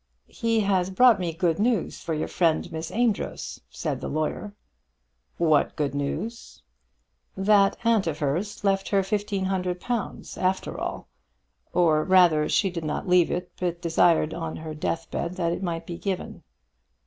"He has brought me good news for your friend, Miss Amedroz," said the lawyer. "What good news?" "That aunt of hers left her fifteen hundred pounds, after all. Or rather, she did not leave it, but desired on her death bed that it might be given."